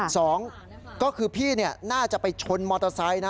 สองก็คือพี่น่าจะไปชนมอเตอร์ไซค์นะ